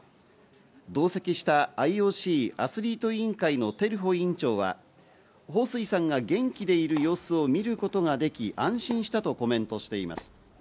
同席したＩＯＣアスリート委員会のテルホ委員長はホウ・スイさんが元気でいる様子を見ることができ、安心したとコメントしています。